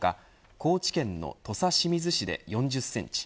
高知県の土佐清水市で４０センチ